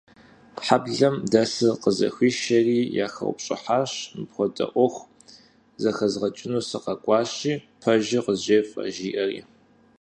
Хьэблэм дэсыр къызэхуишэсри, яхэупщӀыхьащ, мыпхуэдэ Ӏуэху зэхэзгъэкӀыну сыкъэкӀуащи, пэжыр къызжефӀэ, жиӀэри.